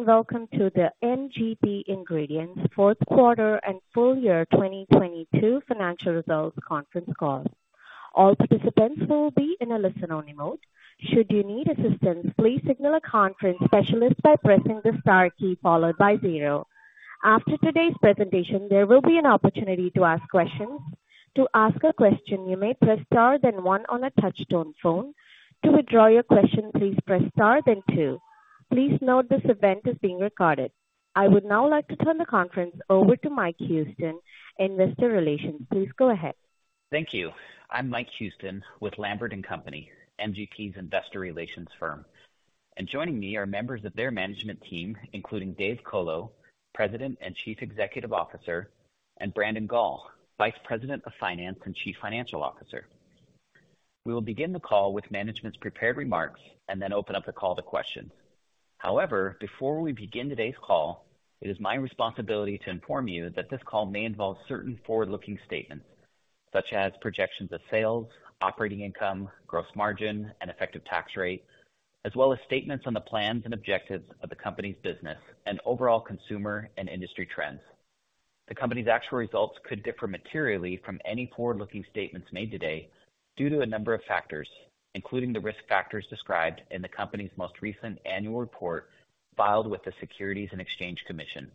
Good day, welcome to the MGP Ingredients fourth quarter and full year 2022 financial results conference call. All participants will be in a listen-only mode. Should you need assistance, please signal a conference specialist by pressing the Star key followed by 0. After today's presentation, there will be an opportunity to ask questions. To ask a question, you may press star then one on a touch-tone phone. To withdraw your question, please press star then two. Please note this event is being recorded. I would now like to turn the conference over to Mike Houston, Investor Relations. Please go ahead. Thank you. I'm Mike Houston with Lambert & Co., MGP's investor relations firm. Joining me are members of their management team, including Dave Colo, President and Chief Executive Officer, and Brandon Gall, Vice President of Finance and Chief Financial Officer. We will begin the call with management's prepared remarks and then open up the call to questions. However, before we begin today's call, it is my responsibility to inform you that this call may involve certain forward-looking statements such as projections of sales, operating income, gross margin, and effective tax rate, as well as statements on the plans and objectives of the company's business and overall consumer and industry trends. The company's actual results could differ materially from any forward-looking statements made today due to a number of factors, including the risk factors described in the company's most recent annual report filed with the Securities and Exchange Commission.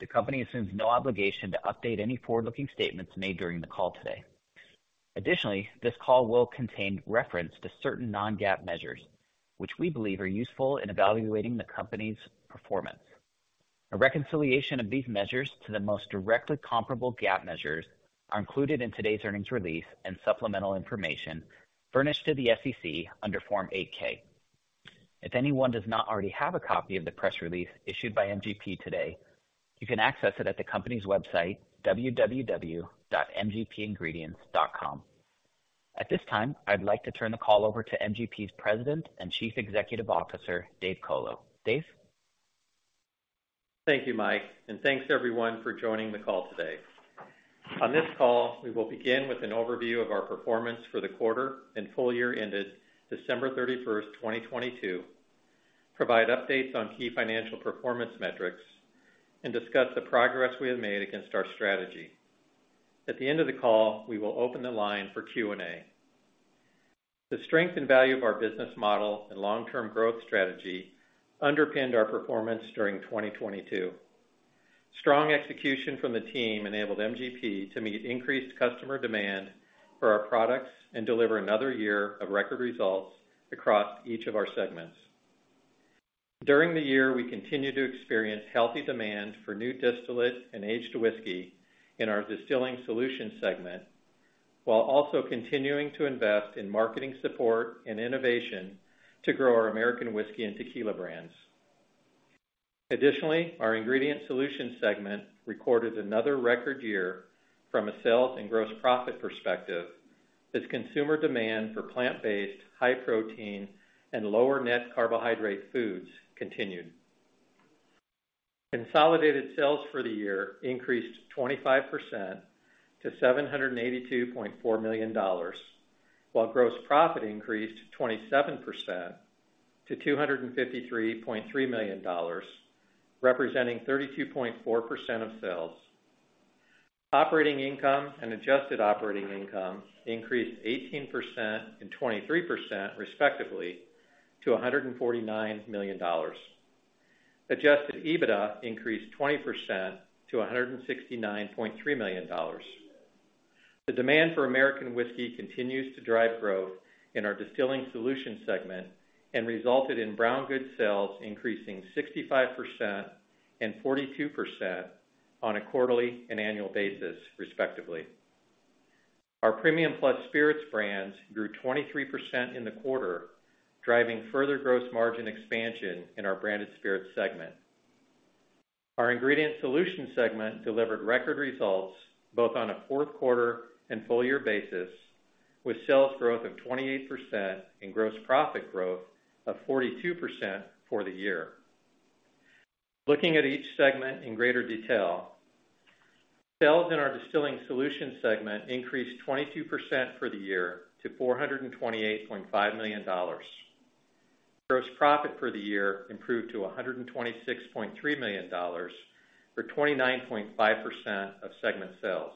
The company assumes no obligation to update any forward-looking statements made during the call today. Additionally, this call will contain reference to certain non-GAAP measures, which we believe are useful in evaluating the company's performance. A reconciliation of these measures to the most directly comparable GAAP measures are included in today's earnings release and supplemental information furnished to the SEC under Form 8-K. If anyone does not already have a copy of the press release issued by MGP today, you can access it at the company's website, www.mgpingredients.com. At this time, I'd like to turn the call over to MGP's President and Chief Executive Officer, Dave Colo. Dave? Thank you, Mike. Thanks everyone for joining the call today. On this call, we will begin with an overview of our performance for the quarter and full year ended December 31, 2022, provide updates on key financial performance metrics, and discuss the progress we have made against our strategy. At the end of the call, we will open the line for Q&A. The strength and value of our business model and long-term growth strategy underpinned our performance during 2022. Strong execution from the team enabled MGP to meet increased customer demand for our products and deliver another year of record results across each of our segments. During the year, we continued to experience healthy demand for new distillate and aged whiskey in our Distilling Solutions segment, while also continuing to invest in marketing support and innovation to grow our American whiskey and tequila brands. Additionally, our Ingredient Solutions segment recorded another record year from a sales and gross profit perspective as consumer demand for plant-based, high protein, and lower net carbohydrate foods continued. Consolidated sales for the year increased 25% to $782.4 million, while gross profit increased 27% to $253.3 million, representing 32.4% of sales. Operating income and adjusted operating income increased 18% and 23%, respectively, to $149 million. Adjusted EBITDA increased 20% to $169.3 million. The demand for American whiskey continues to drive growth in our Distilling Solutions segment and resulted in brown goods sales increasing 65% and 42% on a quarterly and annual basis, respectively. Our Premium Plus spirits brands grew 23% in the quarter, driving further gross margin expansion in our Branded Spirits segment. Our Ingredient Solutions segment delivered record results both on a fourth quarter and full year basis, with sales growth of 28% and gross profit growth of 42% for the year. Looking at each segment in greater detail. Sales in our Distilling Solutions segment increased 22% for the year to $428.5 million. Gross profit for the year improved to $126.3 million for 29.5% of segment sales.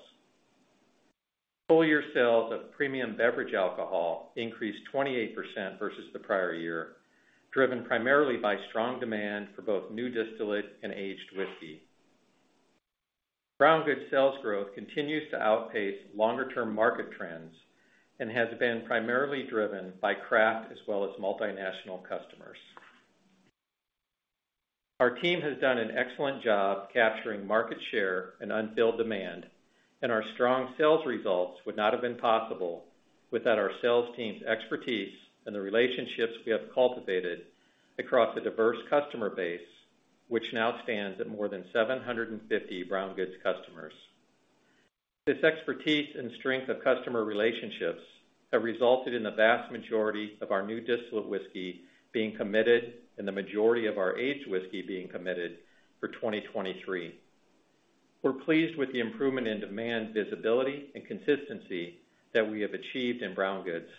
Full year sales of premium beverage alcohol increased 28% versus the prior year, driven primarily by strong demand for both new distillate and aged whiskey. Brown goods sales growth continues to outpace longer-term market trends and has been primarily driven by craft as well as multinational customers. Our team has done an excellent job capturing market share and unfilled demand, and our strong sales results would not have been possible without our sales team's expertise and the relationships we have cultivated across a diverse customer base, which now stands at more than 750 brown goods customers. This expertise and strength of customer relationships have resulted in the vast majority of our new distillate whiskey being committed and the majority of our aged whiskey being committed for 2023. We're pleased with the improvement in demand visibility and consistency that we have achieved in brown goods.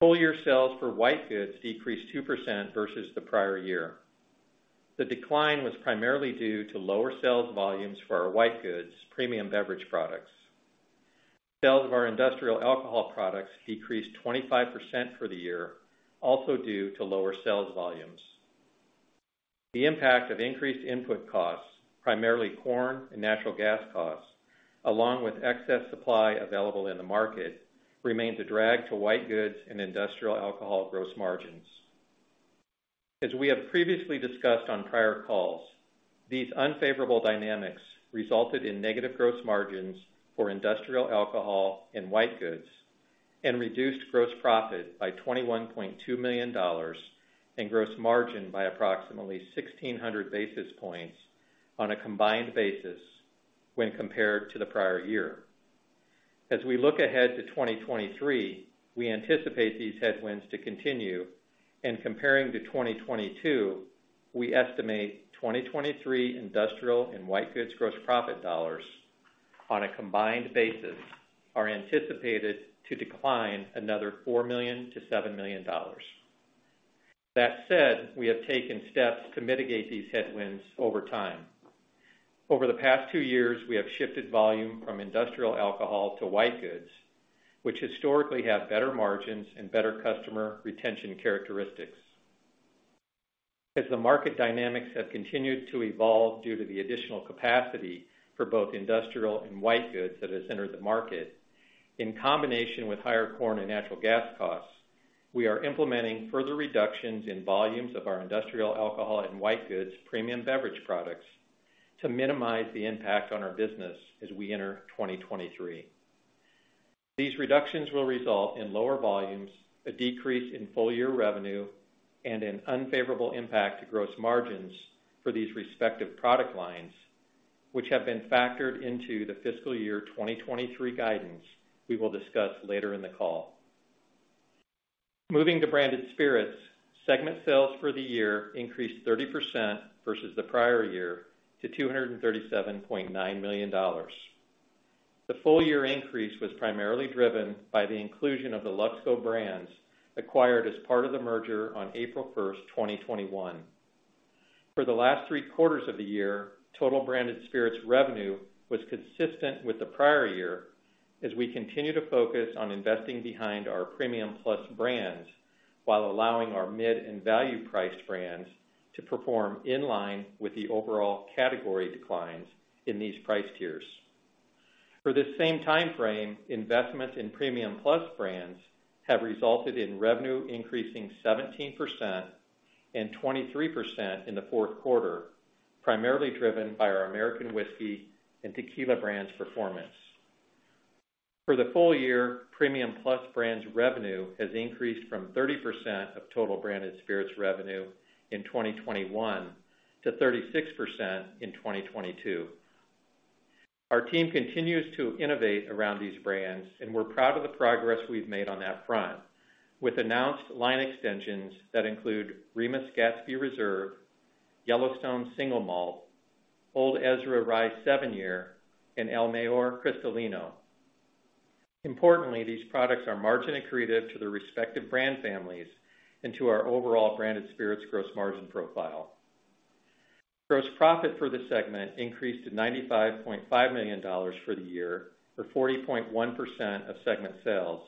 Full year sales for white goods decreased 2% versus the prior year. The decline was primarily due to lower sales volumes for our white goods premium beverage products. Sales of our industrial alcohol products decreased 25% for the year, also due to lower sales volumes. The impact of increased input costs, primarily corn and natural gas costs, along with excess supply available in the market, remained a drag to white goods and industrial alcohol gross margins. As we have previously discussed on prior calls, these unfavorable dynamics resulted in negative gross margins for industrial alcohol and white goods, and reduced gross profit by $21.2 million and gross margin by approximately 1,600 basis points on a combined basis when compared to the prior year. As we look ahead to 2023, we anticipate these headwinds to continue, and comparing to 2022, we estimate 2023 industrial and white goods gross profit dollars on a combined basis are anticipated to decline another $4 million-$7 million. That said, we have taken steps to mitigate these headwinds over time. Over the past 2 years, we have shifted volume from industrial alcohol to white goods, which historically have better margins and better customer retention characteristics. As the market dynamics have continued to evolve due to the additional capacity for both industrial and white goods that has entered the market, in combination with higher corn and natural gas costs, we are implementing further reductions in volumes of our industrial alcohol and white goods premium beverage products to minimize the impact on our business as we enter 2023. These reductions will result in lower volumes, a decrease in full year revenue, and an unfavorable impact to gross margins for these respective product lines, which have been factored into the fiscal year 2023 guidance we will discuss later in the call. Moving to Branded Spirits, segment sales for the year increased 30% versus the prior year to $237.9 million. The full year increase was primarily driven by the inclusion of the Luxco brands acquired as part of the merger on April 1st, 2021. For the last three quarters of the year, total Branded Spirits revenue was consistent with the prior year as we continue to focus on investing behind our Premium Plus brands while allowing our mid and value priced brands to perform in line with the overall category declines in these price tiers. For this same timeframe, investments in Premium Plus brands have resulted in revenue increasing 17% and 23% in the fourth quarter, primarily driven by our American Whiskey and Tequila brands' performance. For the full year, Premium Plus brands revenue has increased from 30% of total Branded Spirits revenue in 2021 to 36% in 2022. Our team continues to innovate around these brands, and we're proud of the progress we've made on that front with announced line extensions that include Remus Gatsby Reserve, Yellowstone Single Malt, Old Ezra Rye 7-Year, and El Mayor Cristalino. Importantly, these products are margin accretive to their respective brand families and to our overall Branded Spirits gross margin profile. Gross profit for the segment increased to $95.5 million for the year, for 40.1% of segment sales,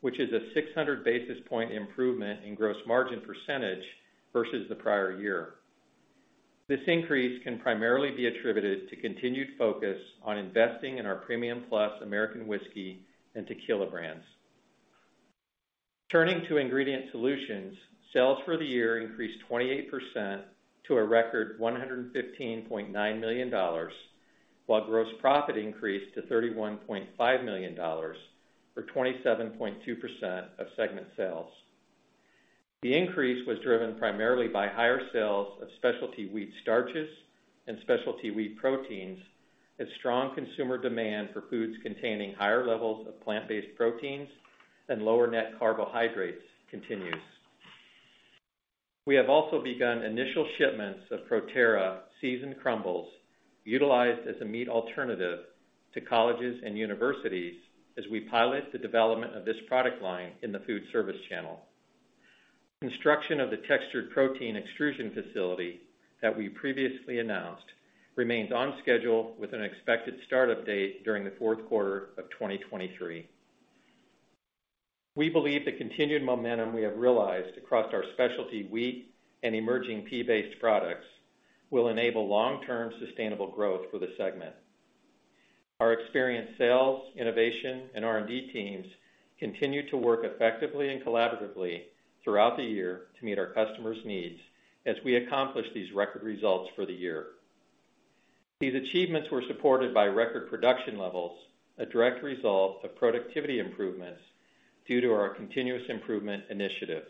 which is a 600 basis point improvement in gross margin percentage versus the prior year. This increase can primarily be attributed to continued focus on investing in our Premium Plus American Whiskey and Tequila brands. Turning to Ingredient Solutions, sales for the year increased 28% to a record $115.9 million, while gross profit increased to $31.5 million, or 27.2% of segment sales. The increase was driven primarily by higher sales of specialty wheat starches and specialty wheat proteins as strong consumer demand for foods containing higher levels of plant-based proteins and lower net carbohydrates continues. We have also begun initial shipments of Proterra Seasoned Crumbles, utilized as a meat alternative to colleges and universities as we pilot the development of this product line in the foodservice channel. Construction of the textured protein extrusion facility that we previously announced remains on schedule with an expected start-up date during the fourth quarter of 2023. We believe the continued momentum we have realized across our specialty wheat and emerging pea-based products will enable long-term sustainable growth for the segment. Our experienced sales, innovation, and R&D teams continued to work effectively and collaboratively throughout the year to meet our customers' needs as we accomplish these record results for the year. These achievements were supported by record production levels, a direct result of productivity improvements due to our continuous improvement initiative.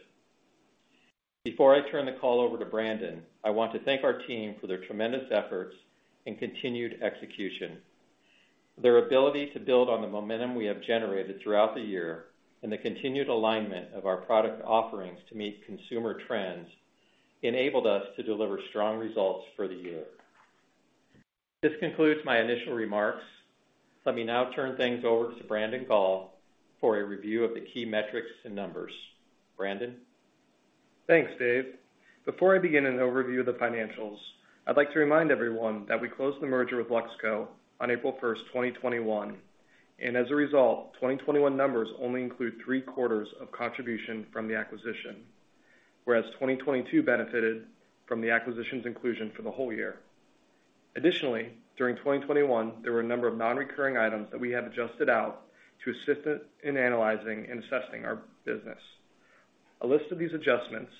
Before I turn the call over to Brandon, I want to thank our team for their tremendous efforts and continued execution. Their ability to build on the momentum we have generated throughout the year and the continued alignment of our product offerings to meet consumer trends enabled us to deliver strong results for the year. This concludes my initial remarks. Let me now turn things over to Brandon Gall for a review of the key metrics and numbers. Brandon? Thanks, Dave. Before I begin an overview of the financials, I'd like to remind everyone that we closed the merger with Luxco on April 1st, 2021, and as a result, 2021 numbers only include three quarters of contribution from the acquisition, whereas 2022 benefited from the acquisition's inclusion for the whole year. Additionally, during 2021, there were a number of non-recurring items that we have adjusted out to assist in analyzing and assessing our business. A list of these adjustments,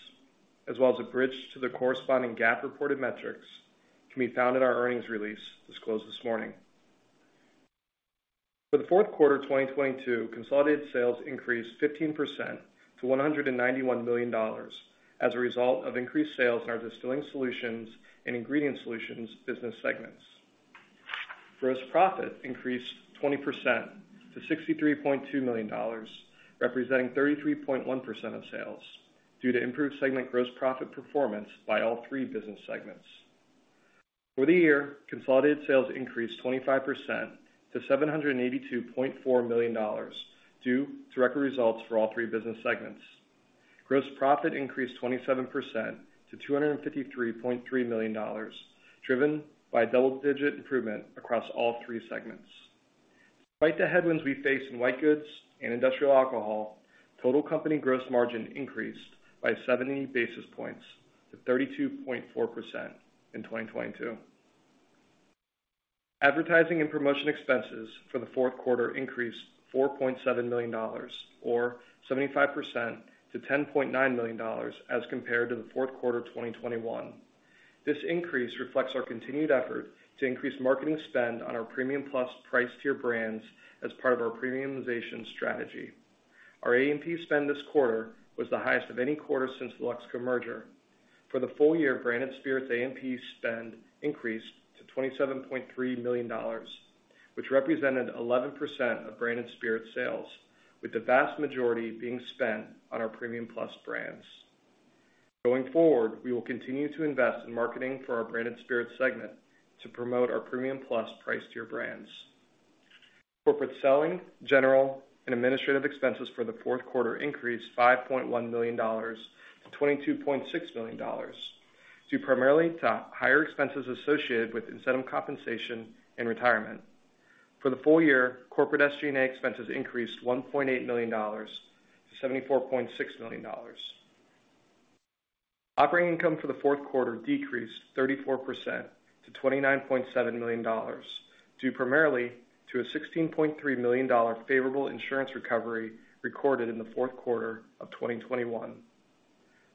as well as a bridge to the corresponding GAAP reported metrics, can be found in our earnings release disclosed this morning. For the fourth quarter of 2022, consolidated sales increased 15% to $191 million as a result of increased sales in our Distilling Solutions and Ingredient Solutions business segments. Gross profit increased 20% to $63.2 million, representing 33.1% of sales due to improved segment gross profit performance by all three business segments. For the year, consolidated sales increased 25% to $782.4 million due to record results for all three business segments. Gross profit increased 27% to $253.3 million, driven by double-digit improvement across all three segments. Despite the headwinds we face in white goods and industrial alcohol, total company gross margin increased by 70 basis points to 32.4% in 2022. Advertising and promotion expenses for the fourth quarter increased $4.7 million or 75% to $10.9 million as compared to the fourth quarter of 2021. This increase reflects our continued effort to increase marketing spend on our Premium Plus price tier brands as part of our premiumization strategy. Our A&P spend this quarter was the highest of any quarter since the Luxco merger. For the full year, Branded Spirits A&P spend increased to $27.3 million, which represented 11% of Branded Spirits sales, with the vast majority being spent on our Premium Plus brands. Going forward, we will continue to invest in marketing for our Branded Spirits segment to promote our Premium Plus price tier brands. Corporate selling, general, and administrative expenses for the fourth quarter increased $5.1 million to $22.6 million, due primarily to higher expenses associated with incentive compensation and retirement. For the full year, corporate SG&A expenses increased $1.8 million to $74.6 million. Operating income for the fourth quarter decreased 34% to $29.7 million, due primarily to a $16.3 million favorable insurance recovery recorded in the fourth quarter of 2021.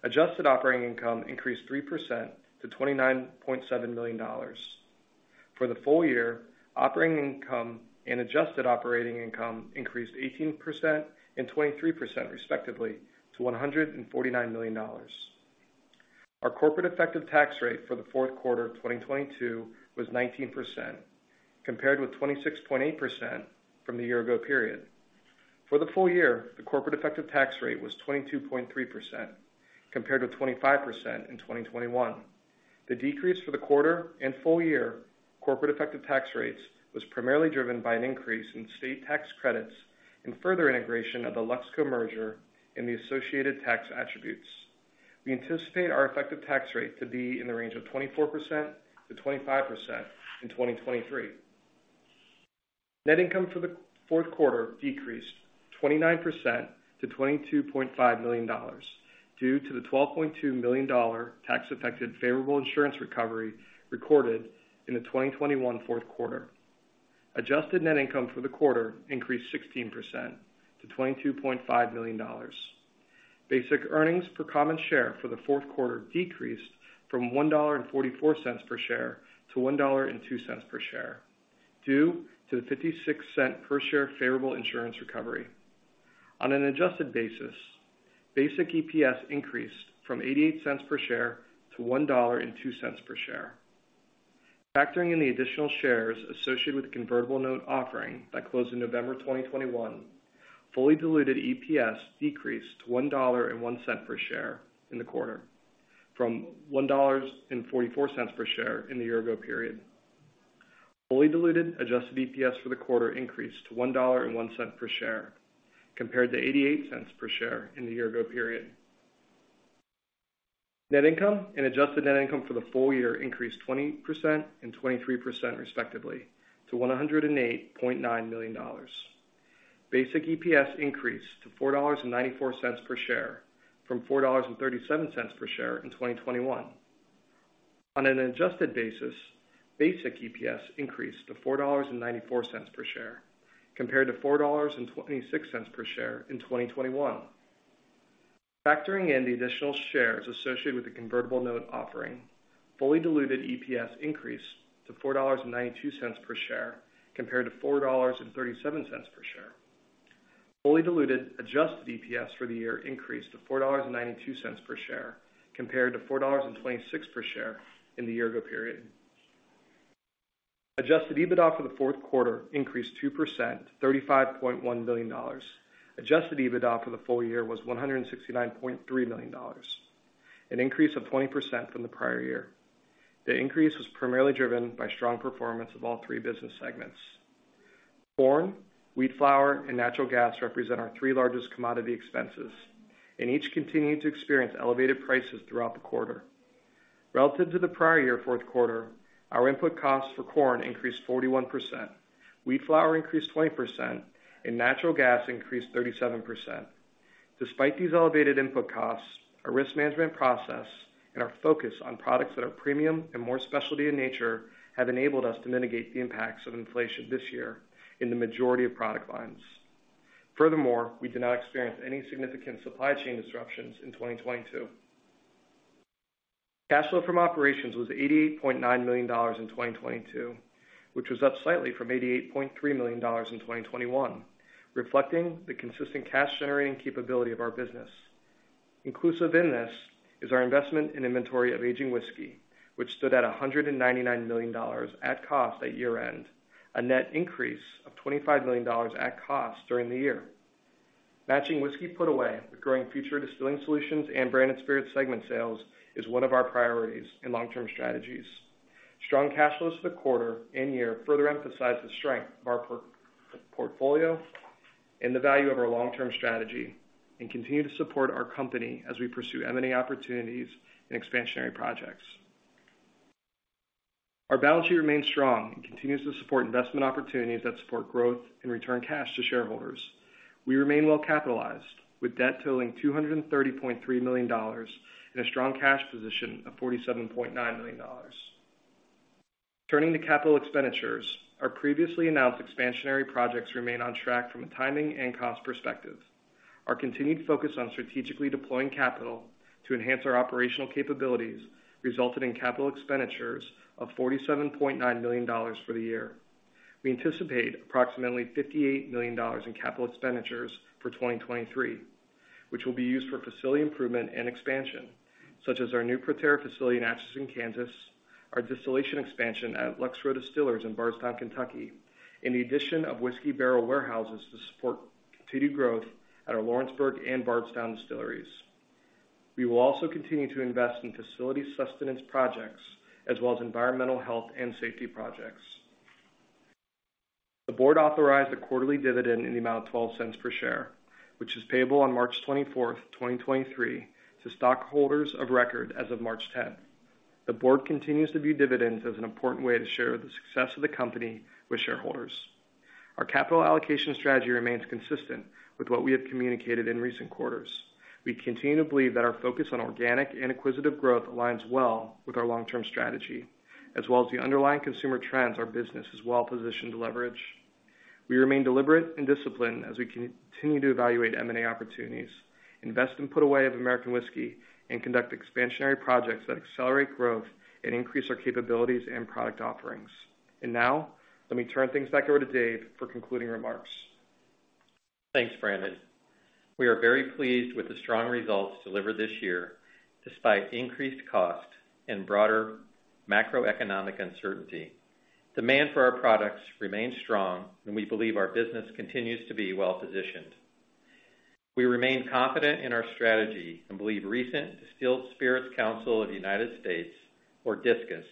Adjusted operating income increased 3% to $29.7 million. For the full year, operating income and adjusted operating income increased 18% and 23% respectively to $149 million. Our corporate effective tax rate for the fourth quarter of 2022 was 19%, compared with 26.8% from the year ago period. For the full year, the corporate effective tax rate was 22.3% compared with 25% in 2021. The decrease for the quarter and full year corporate effective tax rates was primarily driven by an increase in state tax credits and further integration of the Luxco merger and the associated tax attributes. We anticipate our effective tax rate to be in the range of 24%-25% in 2023. Net income for the fourth quarter decreased 29% to $22.5 million due to the $12.2 million tax-affected favorable insurance recovery recorded in the 2021 fourth quarter. Adjusted net income for the quarter increased 16% to $22.5 million. Basic earnings per common share for the fourth quarter decreased from $1.44 per share to $1.02 per share, due to the $0.56 per share favorable insurance recovery. On an adjusted basis, basic EPS increased from $0.88 per share to $1.02 per share. Factoring in the additional shares associated with the convertible note offering that closed in November 2021, fully diluted EPS decreased to $1.01 per share in the quarter from $1.44 per share in the year ago period. Fully diluted adjusted EPS for the quarter increased to $1.01 per share compared to $0.88 per share in the year ago period. Net income and adjusted net income for the full year increased 20% and 23% respectively to $108.9 million. Basic EPS increased to $4.94 per share from $4.37 per share in 2021. On an adjusted basis, basic EPS increased to $4.94 per share compared to $4.26 per share in 2021. Factoring in the additional shares associated with the convertible note offering, fully diluted EPS increased to $4.92 per share compared to $4.37 per share. Fully diluted adjusted EPS for the year increased to $4.92 per share compared to $4.26 per share in the year-ago period. Adjusted EBITDA for the fourth quarter increased 2% to $35.1 million. Adjusted EBITDA for the full year was $169.3 million, an increase of 20% from the prior year. The increase was primarily driven by strong performance of all three business segments. Corn, wheat flour, and natural gas represent our three largest commodity expenses, and each continued to experience elevated prices throughout the quarter. Relative to the prior year fourth quarter, our input costs for corn increased 41%, wheat flour increased 20%, and natural gas increased 37%. Despite these elevated input costs, our risk management process and our focus on products that are premium and more specialty in nature have enabled us to mitigate the impacts of inflation this year in the majority of product lines. We did not experience any significant supply chain disruptions in 2022. Cash flow from operations was $88.9 million in 2022, which was up slightly from $88.3 million in 2021, reflecting the consistent cash-generating capability of our business. Inclusive in this is our investment in inventory of aging whiskey, which stood at $199 million at cost at year-end, a net increase of $25 million at cost during the year. Matching whiskey put away with growing future Distilling Solutions and Branded Spirits segment sales is one of our priorities in long-term strategies. Strong cash flows for the quarter and year further emphasize the strength of our portfolio and the value of our long-term strategy and continue to support our company as we pursue M&A opportunities and expansionary projects. Our balance sheet remains strong and continues to support investment opportunities that support growth and return cash to shareholders. We remain well-capitalized with debt totaling $230.3 million and a strong cash position of $47.9 million. Turning to capital expenditures, our previously announced expansionary projects remain on track from a timing and cost perspective. Our continued focus on strategically deploying capital to enhance our operational capabilities resulted in capital expenditures of $47.9 million for the year. We anticipate approximately $58 million in capital expenditures for 2023, which will be used for facility improvement and expansion, such as our new Proterra facility in Atchison, Kansas, our distillation expansion at Lux Row Distillers in Bardstown, Kentucky, and the addition of whiskey barrel warehouses to support continued growth at our Lawrenceburg and Bardstown distilleries. We will also continue to invest in facility sustenance projects as well as environmental health and safety projects. The board authorized a quarterly dividend in the amount of $0.12 per share, which is payable on March 24, 2023 to stockholders of record as of March 10. The board continues to view dividends as an important way to share the success of the company with shareholders. Our capital allocation strategy remains consistent with what we have communicated in recent quarters. We continue to believe that our focus on organic and acquisitive growth aligns well with our long-term strategy, as well as the underlying consumer trends our business is well positioned to leverage. We remain deliberate and disciplined as we continue to evaluate M&A opportunities, invest in put away of American whiskey, and conduct expansionary projects that accelerate growth and increase our capabilities and product offerings. Now, let me turn things back over to Dave for concluding remarks. Thanks, Brandon. We are very pleased with the strong results delivered this year despite increased costs and broader macroeconomic uncertainty. Demand for our products remains strong, and we believe our business continues to be well-positioned. We remain confident in our strategy and believe recent Distilled Spirits Council of the United States, or DISCUS,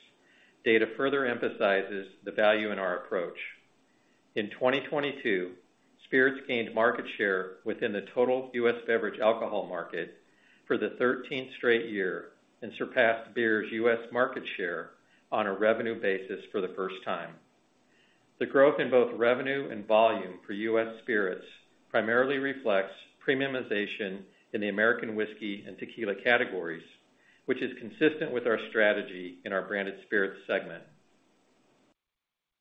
data further emphasizes the value in our approach. In 2022, spirits gained market share within the total U.S. beverage alcohol market for the 13th straight year and surpassed beer's U.S. market share on a revenue basis for the first time. The growth in both revenue and volume for U.S. spirits primarily reflects premiumization in the American whiskey and tequila categories, which is consistent with our strategy in our Branded Spirits segment.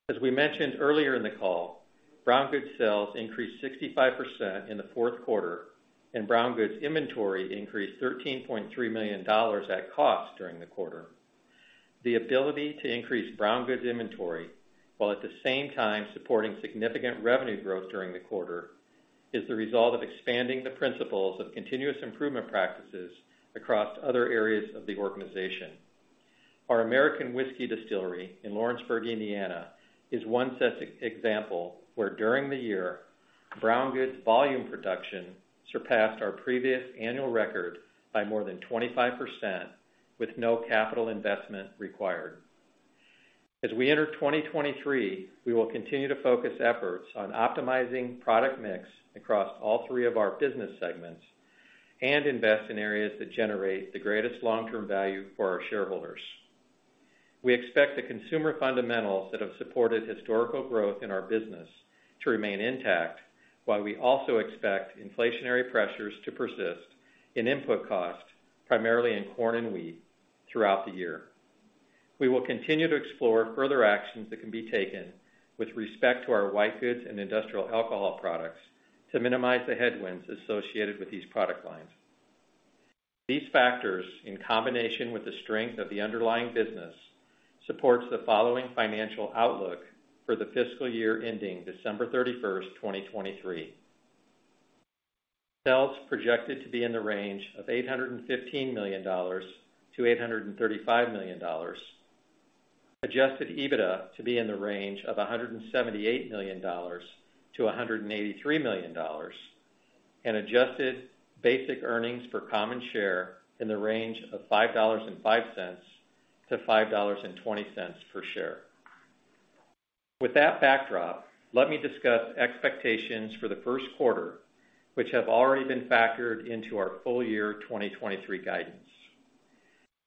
As we mentioned earlier in the call, brown goods sales increased 65% in the fourth quarter, and brown goods inventory increased $13.3 million at cost during the quarter. The ability to increase brown goods inventory while at the same time supporting significant revenue growth during the quarter is the result of expanding the principles of continuous improvement practices across other areas of the organization. Our American Whiskey distillery in Lawrenceburg, Indiana, is one such example where during the year, brown goods volume production surpassed our previous annual record by more than 25% with no capital investment required. As we enter 2023, we will continue to focus efforts on optimizing product mix across all three of our business segments and invest in areas that generate the greatest long-term value for our shareholders. We expect the consumer fundamentals that have supported historical growth in our business to remain intact while we also expect inflationary pressures to persist in input costs, primarily in corn and wheat, throughout the year. We will continue to explore further actions that can be taken with respect to our white goods and industrial alcohol products to minimize the headwinds associated with these product lines. These factors, in combination with the strength of the underlying business, supports the following financial outlook for the fiscal year ending December 31st, 2023. Sales projected to be in the range of $815 million-$835 million. Adjusted EBITDA to be in the range of $178 million-$183 million. Adjusted basic earnings per common share in the range of $5.05-$5.20 per share. With that backdrop, let me discuss expectations for the first quarter, which have already been factored into our full year 2023 guidance.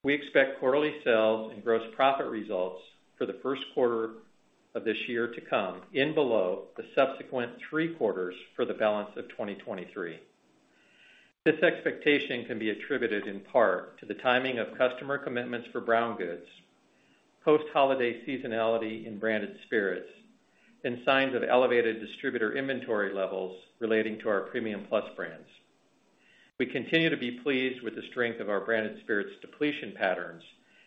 We expect quarterly sales and gross profit results for the first quarter of this year to come in below the subsequent three quarters for the balance of 2023. This expectation can be attributed in part to the timing of customer commitments for brown goods, post-holiday seasonality in branded spirits, and signs of elevated distributor inventory levels relating to our Premium Plus brands. We continue to be pleased with the strength of our branded spirits depletion patterns,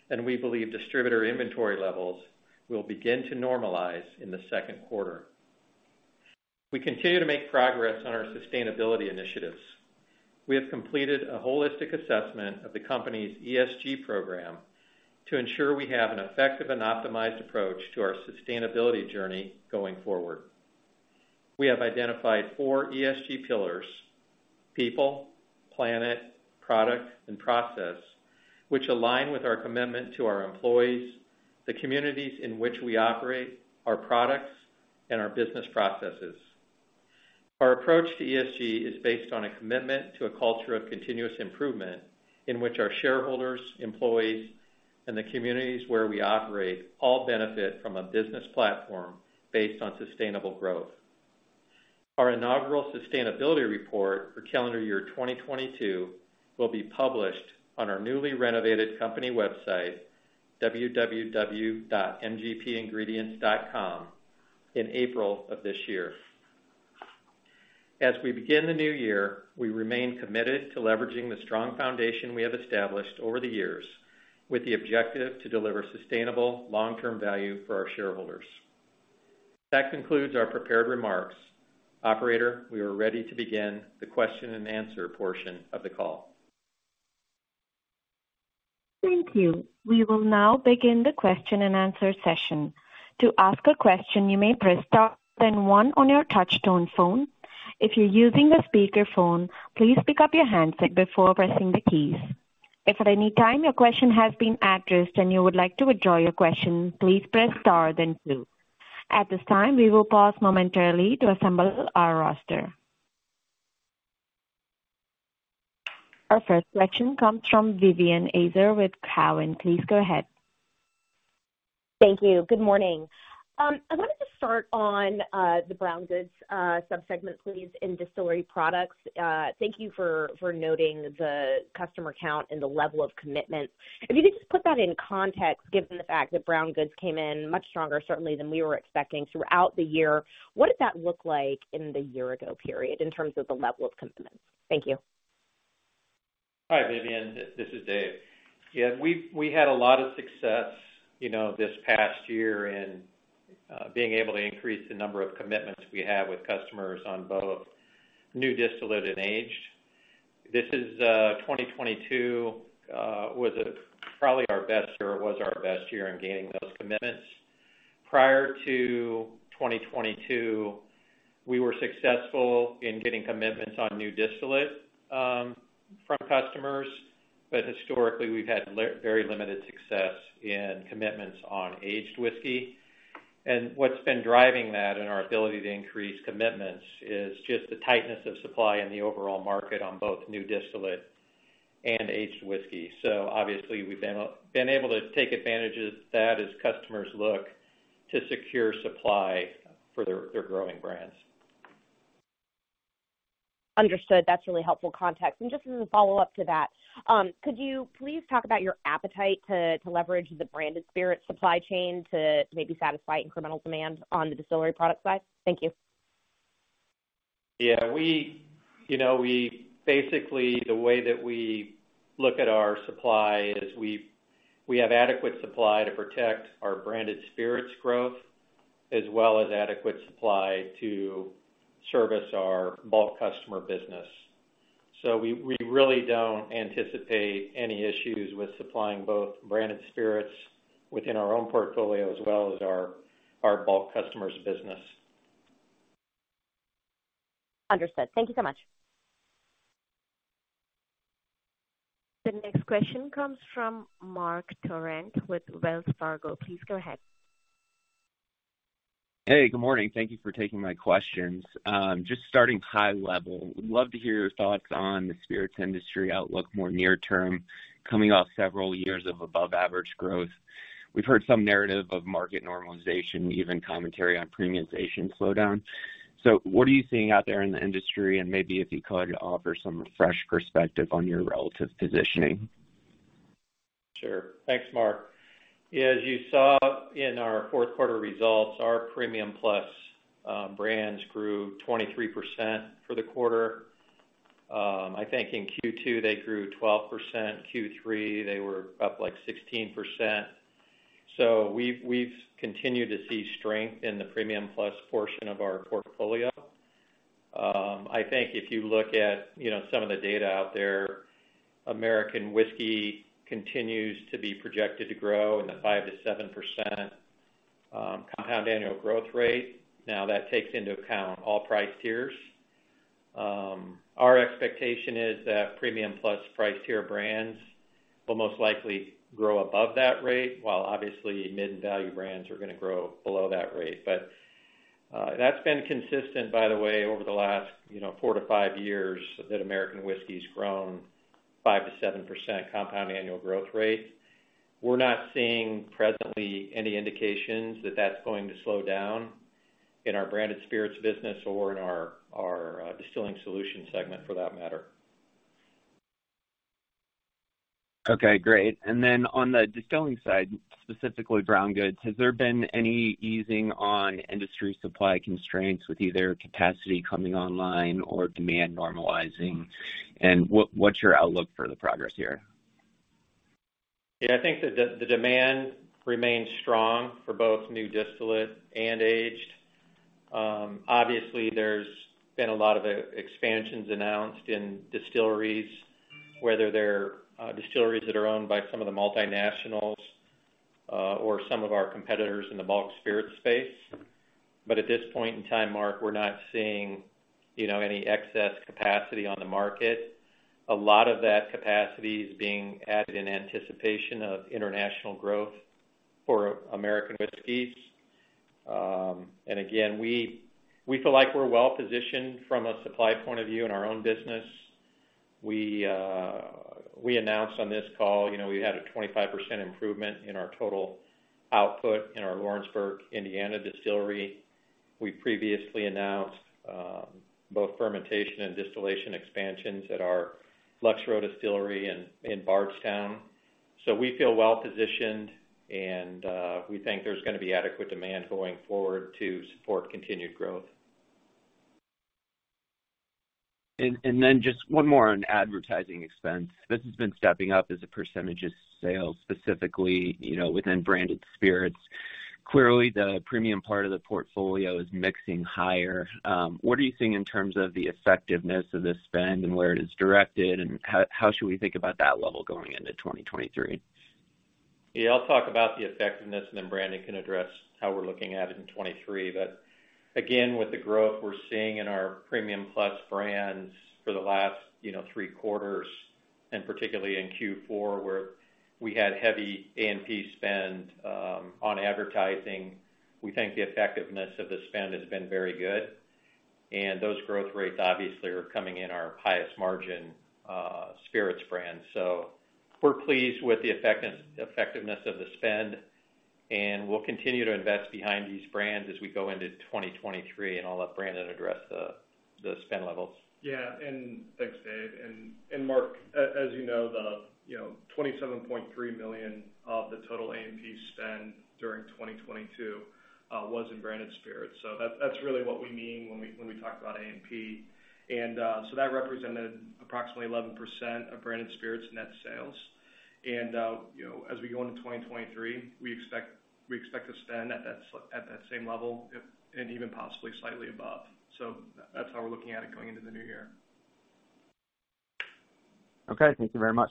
and we believe distributor inventory levels will begin to normalize in the second quarter. We continue to make progress on our sustainability initiatives. We have completed a holistic assessment of the company's ESG program to ensure we have an effective and optimized approach to our sustainability journey going forward. We have identified four ESG pillars: people, planet, product, and process, which align with our commitment to our employees, the communities in which we operate, our products, and our business processes. Our approach to ESG is based on a commitment to a culture of continuous improvement in which our shareholders, employees, and the communities where we operate all benefit from a business platform based on sustainable growth. Our inaugural sustainability report for calendar year 2022 will be published on our newly renovated company website, www.mgpingredients.com, in April of this year. As we begin the new year, we remain committed to leveraging the strong foundation we have established over the years with the objective to deliver sustainable long-term value for our shareholders. That concludes our prepared remarks. Operator, we are ready to begin the question-and-answer portion of the call. Thank you. We will now begin the question-and-answer session. To ask a question, you may press star then one on your touchtone phone. If you're using a speakerphone, please pick up your handset before pressing the keys. If at any time your question has been addressed and you would like to withdraw your question, please press star then two. At this time, we will pause momentarily to assemble our roster. Our first question comes from Vivien Azer with Cowen. Please go ahead. Thank you. Good morning. I wanted to start on the brown goods sub-segment, please, in distillery products. Thank you for noting the customer count and the level of commitment. If you could just put that in context, given the fact that brown goods came in much stronger certainly than we were expecting throughout the year. What did that look like in the year-ago period in terms of the level of commitment? Thank you. Hi, Vivien. This is Dave. Yeah, we've had a lot of success, you know, this past year in being able to increase the number of commitments we have with customers on both new distillate and aged. This is 2022 was probably our best year. It was our best year in gaining those commitments. Prior to 2022, we were successful in getting commitments on new distillate from customers, but historically, we've had very limited success in commitments on aged whiskey. What's been driving that and our ability to increase commitments is just the tightness of supply in the overall market on both new distillate and aged whiskey. Obviously, we've been able to take advantage of that as customers look to secure supply for their growing brands. Understood. That's really helpful context. Just as a follow-up to that, could you please talk about your appetite to leverage the Branded Spirits supply chain to maybe satisfy incremental demand on the distillery product side? Thank you. Yeah, you know, we basically, the way that we look at our supply is we have adequate supply to protect our Branded Spirits growth as well as adequate supply to service our bulk customer business. We really don't anticipate any issues with supplying both Branded Spirits within our own portfolio as well as our bulk customers business. Understood. Thank you so much. The next question comes from Marc Torrente with Wells Fargo. Please go ahead. Hey, good morning. Thank you for taking my questions. just starting high level. Would love to hear your thoughts on the spirits industry outlook more near term, coming off several years of above-average growth. We've heard some narrative of market normalization, even commentary on premiumization slowdown. What are you seeing out there in the industry? Maybe if you could offer some fresh perspective on your relative positioning. Sure. Thanks, Marc. As you saw in our fourth quarter results, our Premium Plus brands grew 23% for the quarter. I think in Q2, they grew 12%, Q3, they were up like 16%. We've continued to see strength in the Premium Plus portion of our portfolio. I think if you look at, you know, some of the data out there, American whiskey continues to be projected to grow in the 5%-7% compound annual growth rate. That takes into account all price tiers. Our expectation is that Premium Plus price tier brands will most likely grow above that rate, while obviously mid and value brands are gonna grow below that rate. That's been consistent, by the way, over the last, you know, four to five years that American whiskey's grown 5% to 7% compound annual growth rate. We're not seeing presently any indications that that's going to slow down in our Branded Spirits business or in our, Distilling Solutions segment for that matter. Okay, great. Then on the distilling side, specifically brown goods, has there been any easing on industry supply constraints with either capacity coming online or demand normalizing? What's your outlook for the progress here? I think the demand remains strong for both new distillate and aged. Obviously, there's been a lot of expansions announced in distilleries, whether they're distilleries that are owned by some of the multinationals, or some of our competitors in the bulk spirit space. At this point in time, Marc, we're not seeing, you know, any excess capacity on the market. A lot of that capacity is being added in anticipation of international growth for American whiskeys. Again, we feel like we're well-positioned from a supply point of view in our own business. We announced on this call, you know, we had a 25% improvement in our total output in our Lawrenceburg, Indiana distillery. We previously announced both fermentation and distillation expansions at our Lux Row Distillery in Bardstown. We feel well positioned, and we think there's gonna be adequate demand going forward to support continued growth. Then just one more on advertising expense. This has been stepping up as a % of sales, specifically, you know, within Branded Spirits. Clearly, the premium part of the portfolio is mixing higher. What are you seeing in terms of the effectiveness of this spend and where it is directed, and how should we think about that level going into 2023? Yeah, I'll talk about the effectiveness, and then Brandon can address how we're looking at it in 2023. Again, with the growth we're seeing in our Premium Plus brands for the last, you know, 3 quarters, and particularly in Q4, where we had heavy A&P spend on advertising, we think the effectiveness of the spend has been very good. Those growth rates obviously are coming in our highest margin spirits brand. We're pleased with the effectiveness of the spend, and we'll continue to invest behind these brands as we go into 2023, and I'll let Brandon address the spend levels. Yeah. Thanks, Dave. Marc, as you know, you know, $27.3 million of the total A&P spend during 2022, was in Branded Spirits. That's really what we mean when we talk about A&P. That represented approximately 11% of Branded Spirits net sales. You know, as we go into 2023, we expect to spend at that same level if, and even possibly slightly above. That's how we're looking at it going into the new year. Okay. Thank you very much.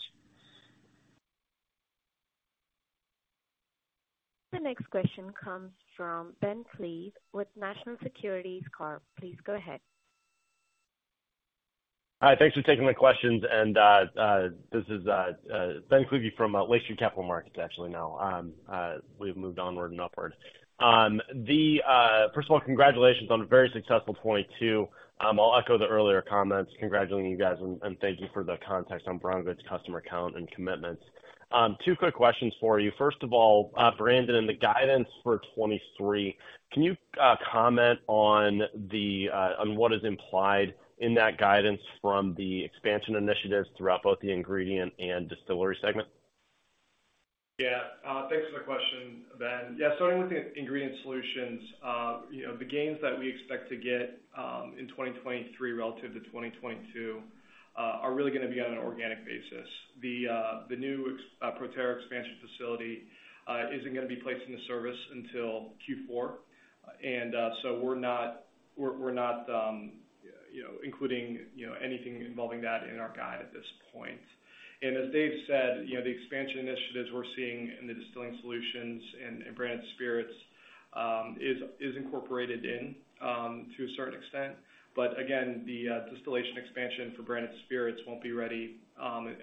The next question comes from Ben Klieve with National Securities Corp. Please go ahead. Hi. Thanks for taking my questions. This is Ben Klieve from Lake Street Capital Markets actually now. We've moved onward and upward. First of all, congratulations on a very successful 22. I'll echo the earlier comments congratulating you guys and thank you for the context on brown goods customer count and commitments. Two quick questions for you. First of all, Brandon, in the guidance for 2023, can you comment on what is implied in that guidance from the expansion initiatives throughout both the ingredient and distillery segment? Yeah. Thanks for the question, Ben. Yeah, starting with the Ingredient Solutions, you know, the gains that we expect to get in 2023 relative to 2022 are really gonna be on an organic basis. The new Proterra expansion facility isn't gonna be placed into service until Q4. We're not, you know, including, you know, anything involving that in our guide at this point. As Dave said, you know, the expansion initiatives we're seeing in the Distilling Solutions and in Branded Spirits is incorporated to a certain extent. Again, the distillation expansion for Branded Spirits won't be ready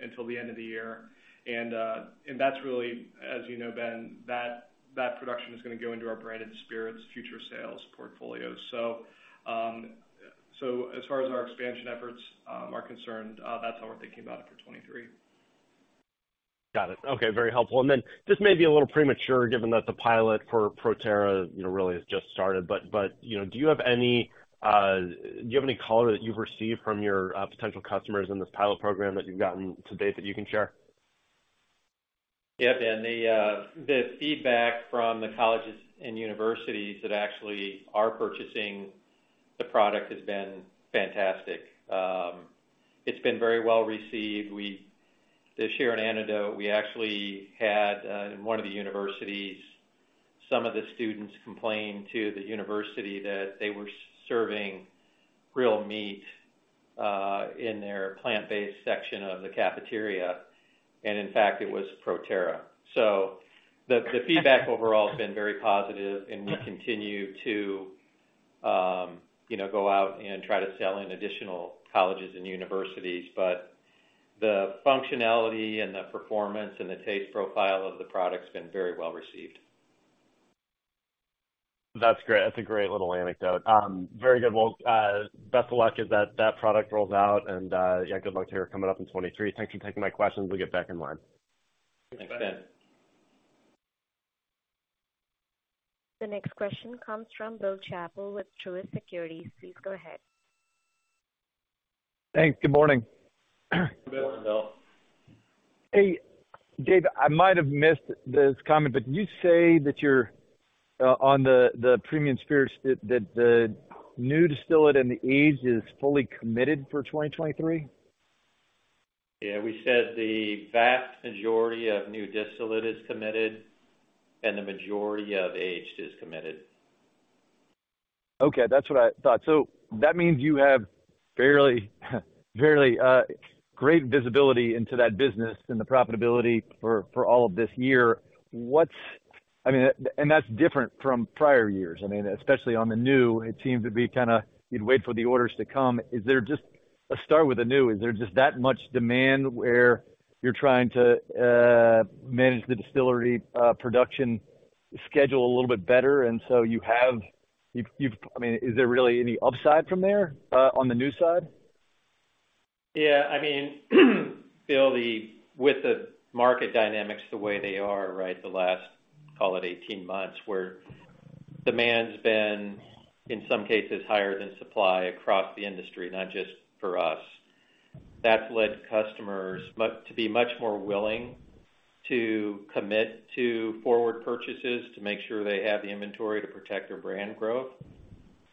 until the end of the year. That's really, as you know, Ben, that production is gonna go into our Branded Spirits future sales portfolio. As far as our expansion efforts, are concerned, that's how we're thinking about it for 2023. Got it. Okay, very helpful. This may be a little premature given that the pilot for Proterra, you know, really has just started. But, you know, do you have any color that you've received from your potential customers in this pilot program that you've gotten to date that you can share? Yeah, Ben, the feedback from the colleges and universities that actually are purchasing the product has been fantastic. It's been very well received. To share an anecdote, we actually had in one of the universities, some of the students complain to the university that they were serving real meat in their plant-based section of the cafeteria, and in fact it was Proterra. The feedback overall has been very positive, and we continue to, you know, go out and try to sell in additional colleges and universities. The functionality and the performance and the taste profile of the product's been very well received. That's great. That's a great little anecdote. very good. Well, best of luck as that product rolls out. Yeah, good luck to you coming up in 2023. Thanks for taking my questions. We'll get back in line. Thanks Ben. The next question comes from Bill Chappell with Truist Securities. Please go ahead. Thanks. Good morning. Good morning, Bill. Hey, Dave, I might have missed this comment, but did you say that you're on the premium spirits that the new distillate and the aged is fully committed for 2023? We said the vast majority of new distillate is committed and the majority of aged is committed. Okay. That's what I thought. That means you have fairly great visibility into that business and the profitability for all of this year. I mean, that's different from prior years. I mean, especially on the new, it seems to be kinda you'd wait for the orders to come. Let's start with the new. Is there just that much demand where you're trying to manage the distillery production schedule a little bit better? I mean, is there really any upside from there on the new side? I mean, Bill, with the market dynamics the way they are, right? The last, call it 18 months, where demand's been, in some cases, higher than supply across the industry, not just for us. That's led customers to be much more willing to commit to forward purchases to make sure they have the inventory to protect their brand growth.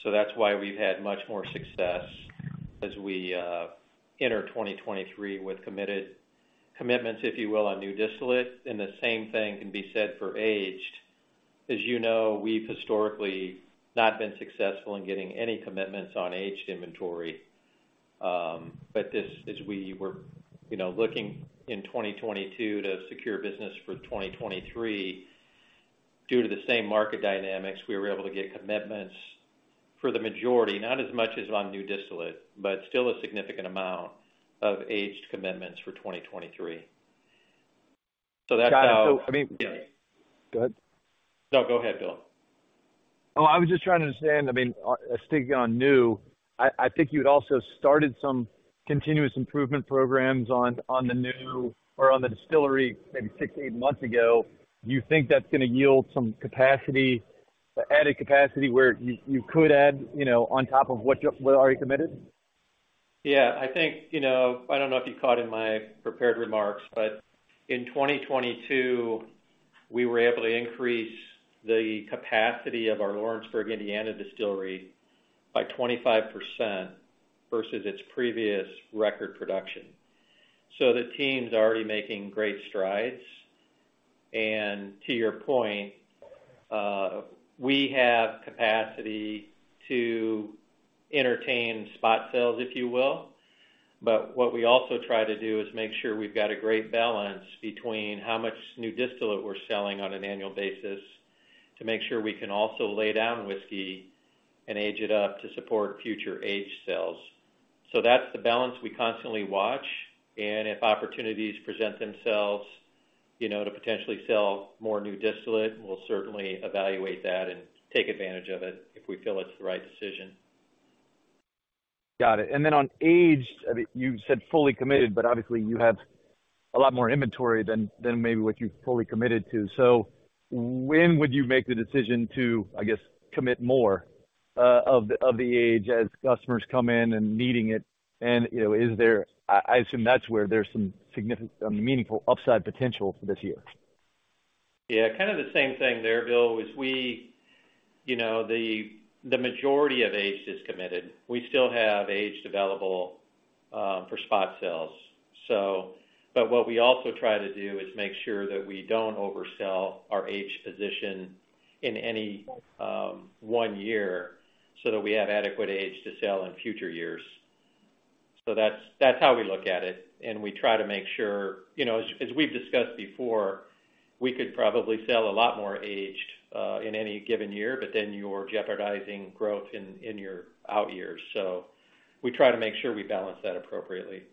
That's why we've had much more success as we enter 2023 with committed commitments, if you will, on new distillate. The same thing can be said for aged. As you know, we've historically not been successful in getting any commitments on aged inventory. This, as we were, you know, looking in 2022 to secure business for 2023, due to the same market dynamics, we were able to get commitments for the majority, not as much as on new distillate, but still a significant amount of aged commitments for 2023. Got it. Yeah. Go ahead. No, go ahead, Bill. I was just trying to understand, I mean, sticking on new, I think you had also started some continuous improvement programs on the new or on the distillery maybe six to eight months ago. Do you think that's gonna yield some capacity or added capacity where you could add, you know, on top of what already committed? Yeah. I think, you know, I don't know if you caught in my prepared remarks, but in 2022, we were able to increase the capacity of our Lawrenceburg, Indiana distillery by 25% versus its previous record production. The team's already making great strides. To your point, we have capacity to entertain spot sales, if you will. What we also try to do is make sure we've got a great balance between how much new distillate we're selling on an annual basis to make sure we can also lay down whiskey and age it up to support future aged sales. That's the balance we constantly watch. If opportunities present themselves, you know, to potentially sell more new distillate, we'll certainly evaluate that and take advantage of it if we feel it's the right decision. Got it. On aged, I mean, you said fully committed, but obviously you have a lot more inventory than maybe what you've fully committed to. When would you make the decision to, I guess, commit more of the aged as customers come in and needing it? You know, I assume that's where there's some significant, I mean, meaningful upside potential for this year. Yeah. Kind of the same thing there, Bill, is You know, the majority of aged is committed. We still have aged available for spot sales. What we also try to do is make sure that we don't oversell our aged position in any one year so that we have adequate age to sell in future years. That's how we look at it, and we try to make sure You know, as we've discussed before, we could probably sell a lot more aged in any given year, but then you're jeopardizing growth in your out years. We try to make sure we balance that appropriately.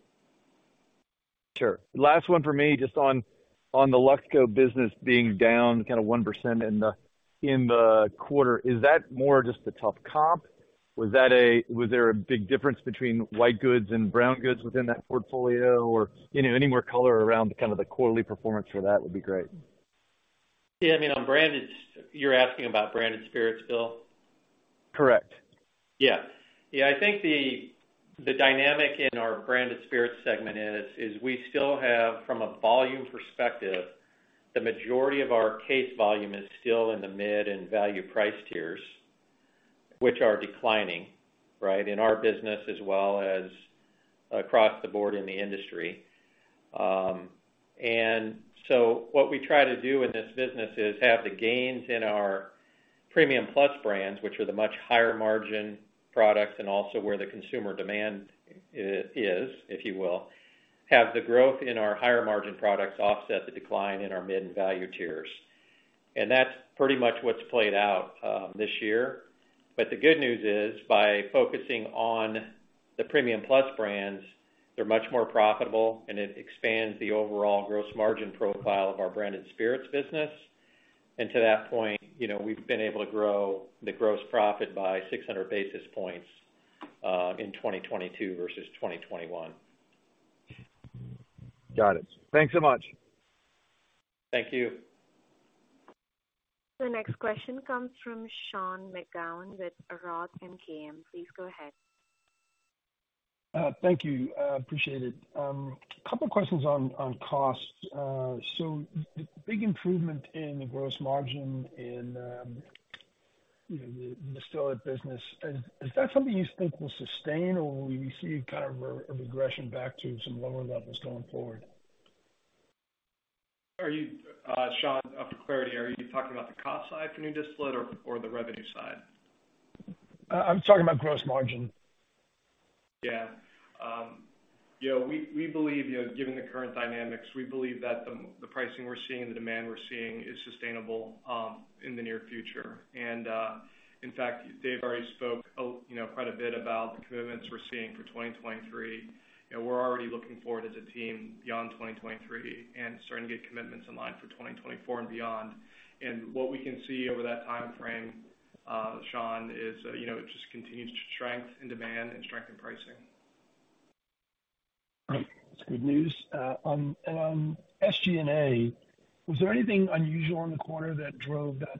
Sure. Last one for me, just on the Luxco business being down kind of 1% in the quarter, is that more just the tough comp? Was there a big difference between white goods and brown goods within that portfolio? You know, any more color around kind of the quarterly performance for that would be great. Yeah, I mean, on Branded, you're asking about Branded Spirits, Bill? Correct. Yeah, I think the dynamic in our Branded Spirits segment is we still have, from a volume perspective, the majority of our case volume is still in the mid and value price tiers, which are declining, right? In our business as well as across the board in the industry. What we try to do in this business is have the gains in our Premium Plus brands, which are the much higher margin products and also where the consumer demand is, if you will, have the growth in our higher margin products offset the decline in our mid and value tiers. That's pretty much what's played out this year. The good news is, by focusing on the Premium Plus brands, they're much more profitable, and it expands the overall gross margin profile of our Branded Spirits business. To that point, you know, we've been able to grow the gross profit by 600 basis points, in 2022 versus 2021. Got it. Thanks so much. Thank you. The next question comes from Sean McGowan with Roth MKM. Please go ahead. Thank you, appreciate it. A couple questions on costs. The big improvement in the gross margin in, you know, the distilled business, is that something you think will sustain, or will we see kind of a regression back to some lower levels going forward? Are you, Sean, for clarity, are you talking about the cost side for new distillate or the revenue side? I'm talking about gross margin. Yeah. You know, we believe, you know, given the current dynamics, we believe that the pricing we're seeing and the demand we're seeing is sustainable in the near future. In fact, Dave already spoke, you know, quite a bit about the commitments we're seeing for 2023. You know, we're already looking forward as a team beyond 2023 and starting to get commitments in line for 2024 and beyond. What we can see over that timeframe, Sean, is, you know, just continued strength in demand and strength in pricing. Great. That's good news. SG&A, was there anything unusual in the quarter that drove that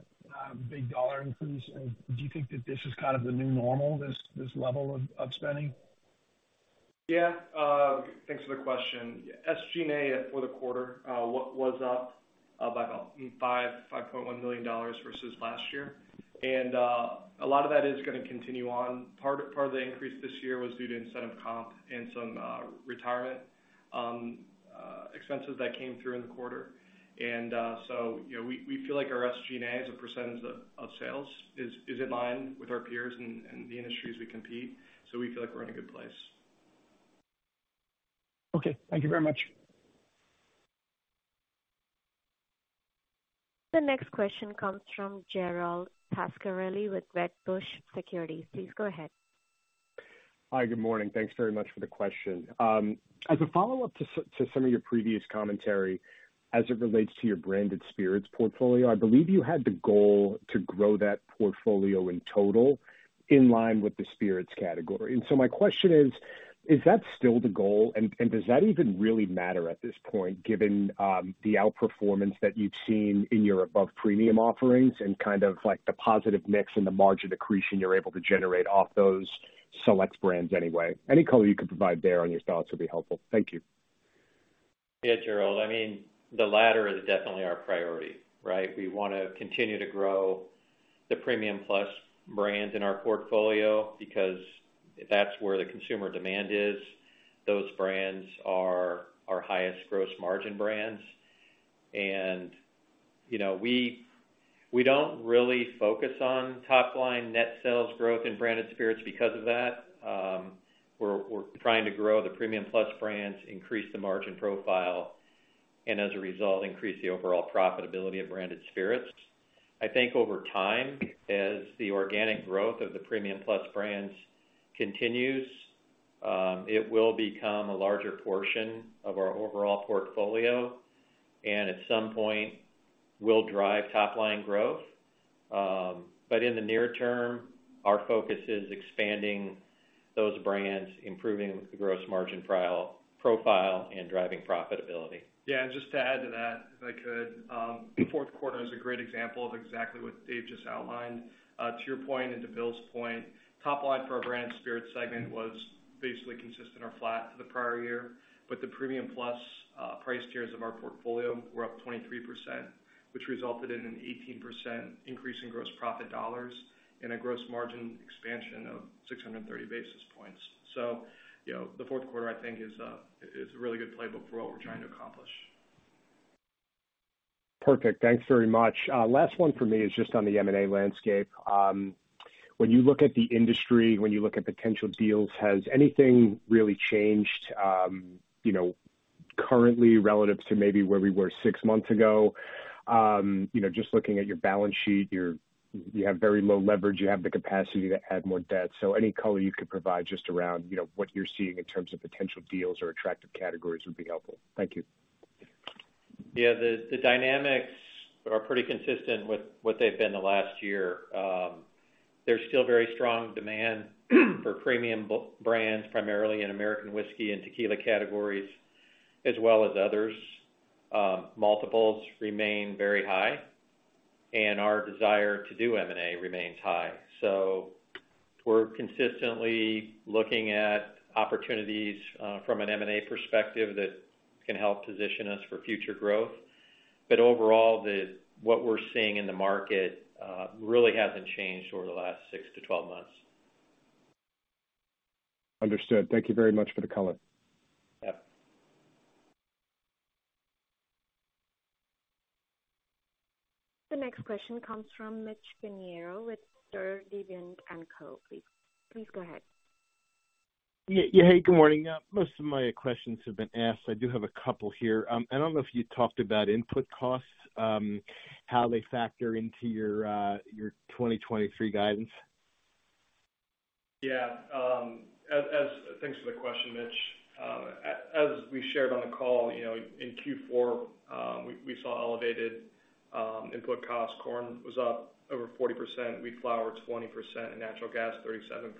big dollar increase? Do you think that this is kind of the new normal, this level of spending? Yeah. Thanks for the question. SG&A for the quarter, was up by about $5.1 million versus last year. A lot of that is gonna continue on. Part of the increase this year was due to incentive comp and some retirement expenses that came through in the quarter. So, you know, we feel like our SG&A as a % of sales is in line with our peers and the industries we compete, so we feel like we're in a good place. Okay. Thank you very much. The next question comes from Gerald Pascarelli with Wedbush Securities. Please go ahead. Hi, good morning. Thanks very much for the question. As a follow-up to to some of your previous commentary as it relates to your Branded Spirits portfolio, I believe you had the goal to grow that portfolio in total in line with the spirits category. My question is that still the goal? And does that even really matter at this point, given the outperformance that you've seen in your above premium offerings and kind of like the positive mix and the margin accretion you're able to generate off those select brands anyway? Any color you could provide there on your thoughts would be helpful. Thank you. Yeah, Gerald. I mean, the latter is definitely our priority, right? We wanna continue to grow the Premium Plus brands in our portfolio because that's where the consumer demand is. Those brands are our highest gross margin brands. You know, we don't really focus on top-line net sales growth in Branded Spirits because of that. We're trying to grow the Premium Plus brands, increase the margin profile and as a result, increase the overall profitability of Branded Spirits. I think over time, as the organic growth of the Premium Plus brands continues, it will become a larger portion of our overall portfolio and at some point will drive top-line growth. In the near term, our focus is expanding those brands, improving the gross margin profile, and driving profitability. Yeah, just to add to that, if I could. Fourth quarter is a great example of exactly what Dave just outlined. To your point and to Bill's point, top line for our Branded Spirits segment was basically consistent or flat to the prior year, but the Premium Plus price tiers of our portfolio were up 23%, which resulted in an 18% increase in gross profit dollars and a gross margin expansion of 630 basis points. You know, the fourth quarter, I think, is a really good playbook for what we're trying to accomplish. Perfect. Thanks very much. Last one for me is just on the M&A landscape. When you look at the industry, when you look at potential deals, has anything really changed, you know, currently relative to maybe where we were six months ago? You know, just looking at your balance sheet, you have very low leverage, you have the capacity to add more debt. Any color you could provide just around, you know, what you're seeing in terms of potential deals or attractive categories would be helpful. Thank you. The dynamics are pretty consistent with what they've been the last year. There's still very strong demand for premium brands, primarily in American whiskey and tequila categories, as well as others. Multiples remain very high, and our desire to do M&A remains high. We're consistently looking at opportunities from an M&A perspective that can help position us for future growth. Overall, what we're seeing in the market really hasn't changed over the last 6-12 months. Understood. Thank you very much for the color. Yep. The next question comes from Mitch Pinheiro with Sturdivant & Co. Please go ahead. Yeah. Yeah. Hey, good morning. Most of my questions have been asked. I do have a couple here. I don't know if you talked about input costs, how they factor into your 2023 guidance. Thanks for the question, Mitch. As we shared on the call, you know, in Q4, we saw elevated input costs. Corn was up over 40%, wheat flour 20%, and natural gas 37%.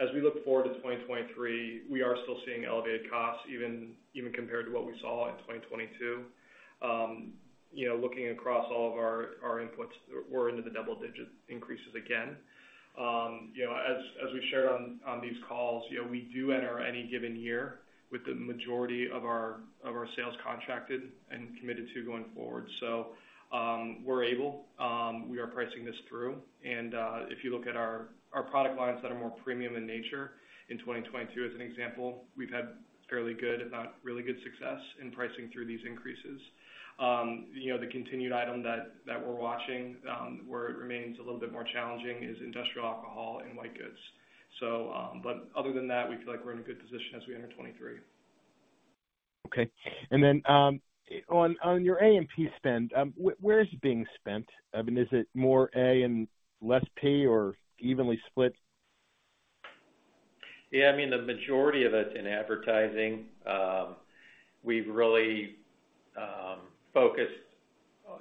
As we look forward to 2023, we are still seeing elevated costs even compared to what we saw in 2022. You know, looking across all of our inputs, we're into the double-digit increases again. You know, as we shared on these calls, you know, we do enter any given year with the majority of our sales contracted and committed to going forward. We're able, we are pricing this through. If you look at our product lines that are more premium in nature, in 2022 as an example, we've had fairly good, if not really good success in pricing through these increases. You know, the continued item that we're watching where it remains a little bit more challenging is industrial alcohol and white goods. But other than that, we feel like we're in a good position as we enter 2023. Okay. On your A&P spend, where is it being spent? I mean, is it more A and less P or evenly split? I mean, the majority of it in advertising. We've really focused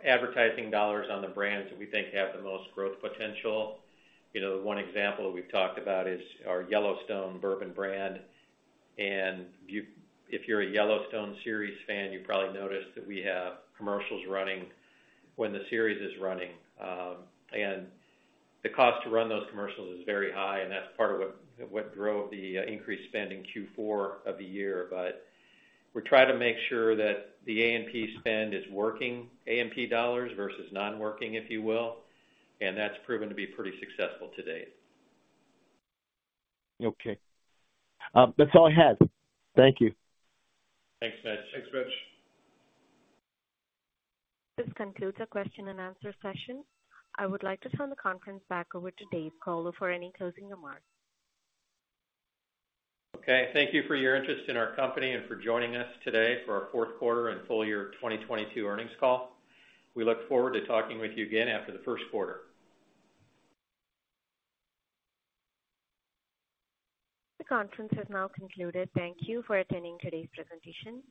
advertising dollars on the brands that we think have the most growth potential. You know, one example we've talked about is our Yellowstone Bourbon brand. If you're a Yellowstone series fan, you've probably noticed that we have commercials running when the series is running. The cost to run those commercials is very high, and that's part of what drove the increased spend in Q4 of the year. We try to make sure that the A&P spend is working A&P dollars versus non-working, if you will. That's proven to be pretty successful to date. Okay. That's all I had. Thank you. Thanks, Mitch. Thanks, Mitch. This concludes our question and answer session. I would like to turn the conference back over to Dave Colo for any closing remarks. Okay. Thank you for your interest in our company and for joining us today for our fourth quarter and full year 2022 earnings call. We look forward to talking with you again after the first quarter. The conference has now concluded. Thank you for attending today's presentation.